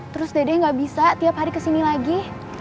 terus dede gak bisa tiap hari kesini lagi